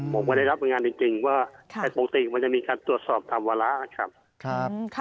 ผมไม่ได้รับรายงานจริงว่าปกติมันจะมีการตรวจสอบธรรมวละครับ